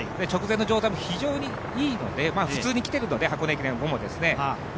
直前の状態も非常にいいので普通にきているので箱根駅伝後も。